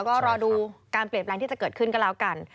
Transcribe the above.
ก็รอดูการเปลี่ยนแปลงที่จะเกิดขึ้นก็แล้วกัน